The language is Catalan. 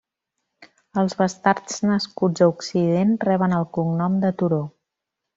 Els bastards nascuts a Occident reben el cognom de Turó.